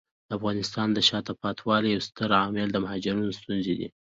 د افغانستان د شاته پاتې والي یو ستر عامل د مهاجرینو ستونزې دي.